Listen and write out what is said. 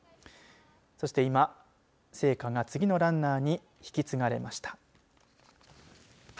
そして今、聖火が次のランナーに引き継がれました。